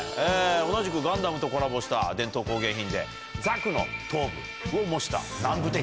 同じく『ガンダム』とコラボした伝統工芸品でザクの頭部を模した南部鉄器。